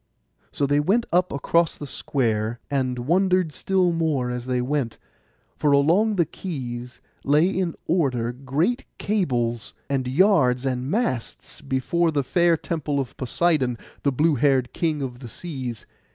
So they went up across the square, and wondered still more as they went; for along the quays lay in order great cables, and yards, and masts, before the fair temple of Poseidon, the blue haired king of the seas.